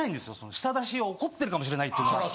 舌出しを怒ってるかもしれないっていうのがあって。